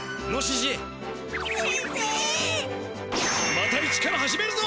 また一から始めるぞ！